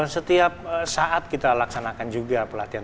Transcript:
setiap saat kita laksanakan juga pelatihan